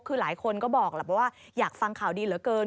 คือหลายคนก็บอกแหละว่าอยากฟังข่าวดีเหลือเกิน